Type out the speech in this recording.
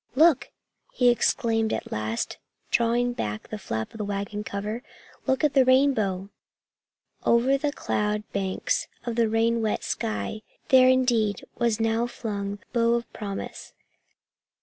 "Look!" he exclaimed at last, drawing back the flap of the wagon cover. "Look at the rainbow!" Over the cloud banks of the rain wet sky there indeed now was flung the bow of promise.